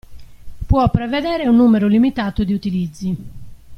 Può prevedere un numero limitato di utilizzi.